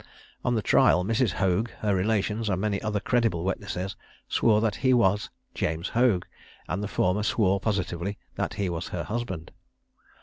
On the trial, Mrs. Hoag, her relations, and many other credible witnesses, swore that he was James Hoag, and the former swore positively that he was her husband.